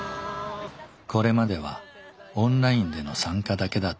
これまではオンラインでの参加だけだったみわさん。